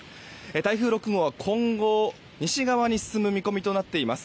台風６号は今後、西側に進む見込みとなっています。